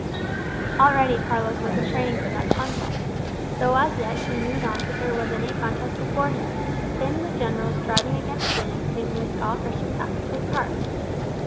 Already Carlos was in training for that contest though as yet he knew not that there was any contest before him, save the general "striving against sin" in which all Christians have to take part.